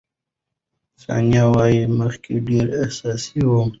ثانیه وايي، مخکې ډېره احساساتي وم.